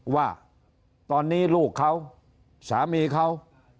ว่าตอนนี้ลูกเขาสามีเขา